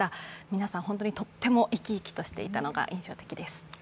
皆さん、本当にとってもいきいきとしていたのが印象的です。